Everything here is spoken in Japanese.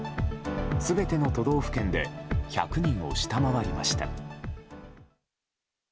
全ての都道府県で１００人を下回りました。